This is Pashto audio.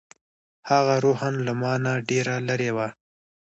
هغه روحاً له ما نه ډېره لرې وه.